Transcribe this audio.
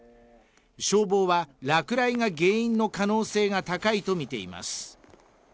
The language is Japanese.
消防は落雷が原因の可能性が高いと見ています